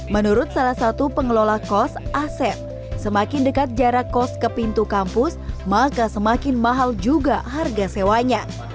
menurut salah satu pengelola kos asep semakin dekat jarak kos ke pintu kampus maka semakin mahal juga harga sewanya